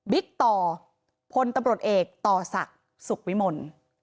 ต่อพลตำรวจเอกต่อศักดิ์สุขวิมล